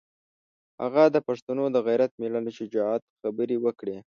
هغه د پښتنو د غیرت، مېړانې او شجاعت خبرې وکړې.